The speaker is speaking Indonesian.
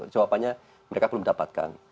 jawabannya mereka belum dapatkan